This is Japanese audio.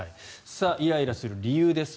イライラする理由です。